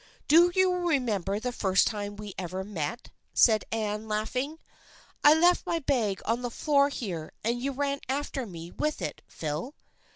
" Do you remember the first time we ever met? " said Anne, laughing. " I left my bag on the floor here and you ran after me with it, Phil."